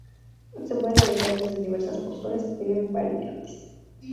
Se puede aplicar desde diversas posturas y tiene variantes.